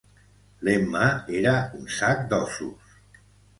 L'Emma era un sac d'ossos.